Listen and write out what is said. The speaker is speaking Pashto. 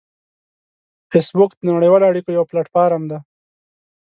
فېسبوک د نړیوالو اړیکو یو پلیټ فارم دی